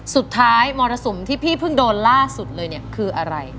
สุดท้ายมรสุมที่พี่เพิ่งโดนล่าสุดเลยเนี่ยคืออะไร